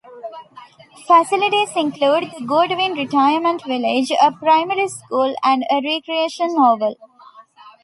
Facilities include the Goodwin Retirement Village, a primary school and a recreation oval.